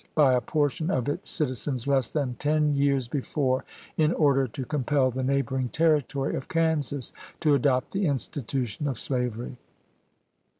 by a portion of its citizens, less than ten years be fore, in order to compel the neighboring Territory of Kansas to adopt the institution of slavery.